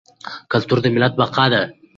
کلتور د ملت بقا ده.